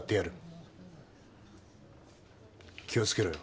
気を付けろよ。